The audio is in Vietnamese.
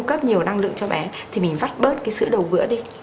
cho bé thì mình vắt bớt sữa đầu bữa đi